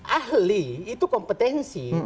ahli itu kompetensi